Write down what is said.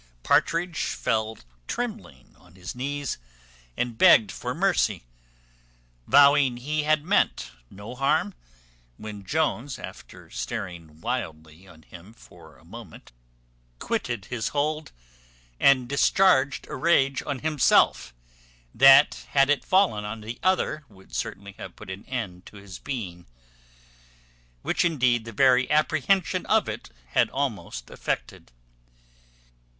Partridge fell trembling on his knees, and begged for mercy, vowing he had meant no harm when Jones, after staring wildly on him for a moment, quitted his hold, and discharged a rage on himself, that, had it fallen on the other, would certainly have put an end to his being, which indeed the very apprehension of it had almost effected.